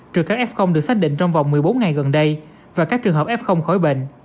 trừ các f được xác định trong vòng một mươi bốn ngày gần đây và các trường hợp f khỏi bệnh